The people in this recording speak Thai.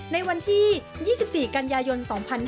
ในวันที่๒๔กันยายน๒๕๕๙